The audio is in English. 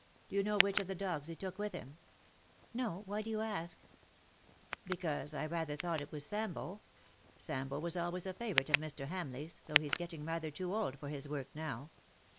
Do you know which of the dogs he took with him T' " No. Why do you ask V " Because I rather thought it was Sambo. Sambo was always a favourite of Mr. Hamleigh^s, thougli he^s getting rather too old for his work now.